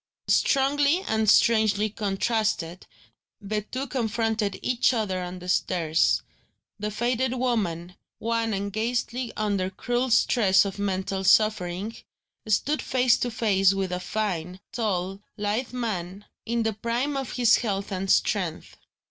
Strongly and strangely contrasted, the two confronted each other on the stairs. The faded woman, wan and ghastly under cruel stress of mental suffering, stood face to face with a fine, tall, lithe man, in the prime of his health and strength.